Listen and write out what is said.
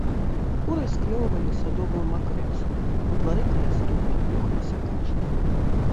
Куры склёўвалі садовую макрыцу, у двары каля студні плюхаліся качкі.